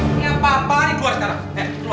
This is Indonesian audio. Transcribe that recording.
ini apa apaan ini buah tanah